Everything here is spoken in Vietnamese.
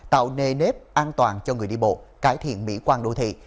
tạo nề nếp an toàn cho người đi bộ cải thiện mỹ quan đô thị